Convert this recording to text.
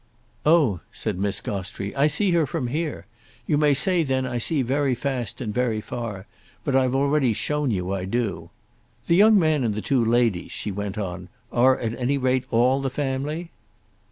"Oh," said Miss Gostrey, "I see her from here! You may say then I see very fast and very far, but I've already shown you I do. The young man and the two ladies," she went on, "are at any rate all the family?"